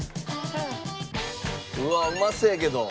うわあうまそうやけど。